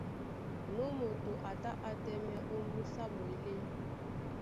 Nú moto a tá á tɛ́mɛ̀ ómbúsá ɓwelé.